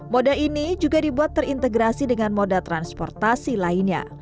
moda ini juga dibuat terintegrasi dengan moda transportasi lainnya